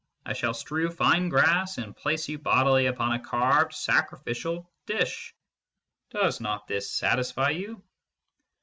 I shall strew fine grass, and place you bodily upon a carved sacrificial dish. Does not this satisfy you